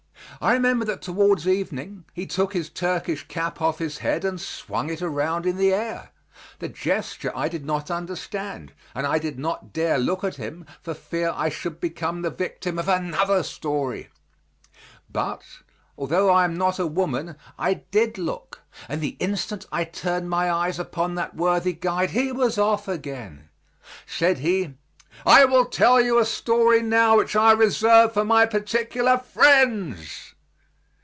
I remember that toward evening he took his Turkish cap off his head and swung it around in the air. The gesture I did not understand and I did not dare look at him for fear I should become the victim of another story. But, although I am not a woman, I did look, and the instant I turned my eyes upon that worthy guide he was off again. Said he, "I will tell you a story now which reserve for my particular friends!"